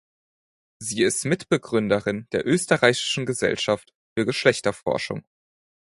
Sie ist Mitbegründerin der Österreichischen Gesellschaft für Geschlechterforschung.